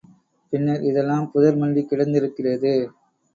பின்னர் இதெல்லாம் புதர் மண்டிக் கிடந்திருக்கிறது.